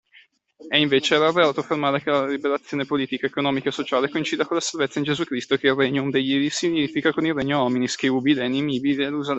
È, invece, errato affermare che la liberazione politica, economica e sociale coincide con la salvezza in Gesù Cristo, che il Regnum Dei si identifica con il Regnum hominis, che Ubi Lenin ibi Ierusalem.